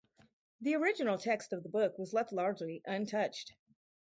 The original text of the book was left largely untouched.